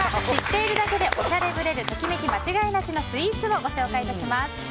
知っているだけでおしゃれぶれるときめき間違いなしのスイーツをご紹介致します。